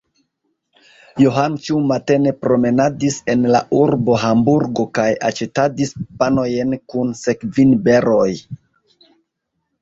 Johano ĉiumatene promenadis en la urbo Hamburgo kaj aĉetadis panojn kun sekvinberoj.